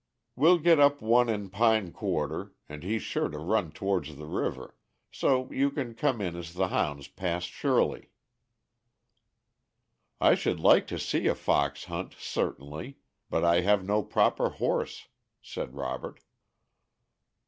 We'll get up one in pine quarter, and he's sure to run towards the river; so you can come in as the hounds pass Shirley." "I should like to see a fox hunt, certainly, but I have no proper horse," said Robert.